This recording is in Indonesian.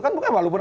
kan bukan walaupun